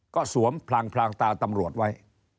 ก็สวมพลางตาตำรวจไว้